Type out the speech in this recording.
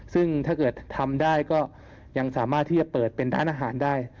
ซึ่งถ้าเกิดทำได้ก็ยังสามารถที่จะเปิดเป็นร้านอาหารได้